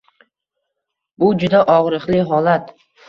Bu juda og‘riqli holat